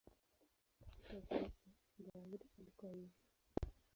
Katika ukristo, Simba wa Yuda alikuwa Yesu.